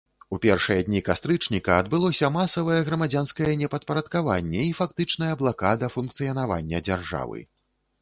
У першыя дні кастрычніка адбылося масавае грамадзянскае непадпарадкаванне і фактычная блакада функцыянавання дзяржавы.